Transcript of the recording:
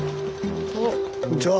こんにちは。